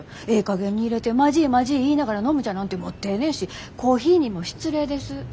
ええかげんにいれて「まじいまじい」言いながら飲むじゃなんてもってえねえしコーヒーにも失礼です。